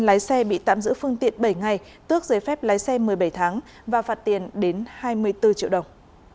lái xe bị tạm giữ phương tiện bảy ngày tước giấy phép lái xe một mươi bảy tháng và phạt tiền đến hai mươi bốn triệu đồng